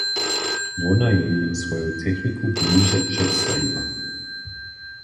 Wona je jim swoju techniku bliže předstajiła.